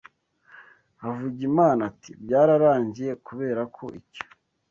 Havugimana ati “Byararangiye kubera ko icyo